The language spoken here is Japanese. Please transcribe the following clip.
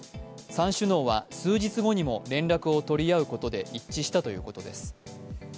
３首脳は、数日後にも連絡を取り合うことで一致したということです。